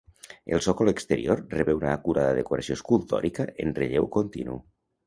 El sòcol exterior rebé una acurada decoració escultòrica en relleu continu.